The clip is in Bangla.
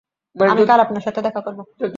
আমি কাল আপনার সাথে দেখা করব।